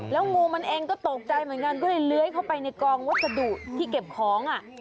แล้วงูมันเองก็ตกใจเหมือนกันก็เลยเลื้อยเข้าไปในกองวัสดุที่เก็บของ